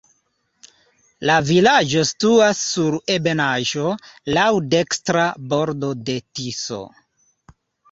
La vilaĝo situas sur ebenaĵo, laŭ dekstra bordo de Tiso.